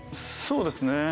そうですね